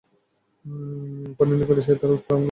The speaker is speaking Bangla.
পানির নিকট সে তার উট থামাল।